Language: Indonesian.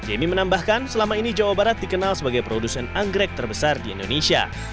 jamie menambahkan selama ini jawa barat dikenal sebagai produsen anggrek terbesar di indonesia